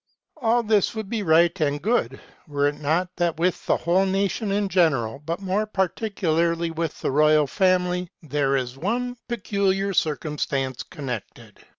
All this would be right and good, were it not that with the whole nation in general, but more particularly with the royal family, there is one peculiar circumstance connected.'